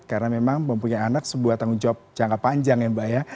karena memang mempunyai anak sebuah tanggung jawab jangka panjang ya mbak ya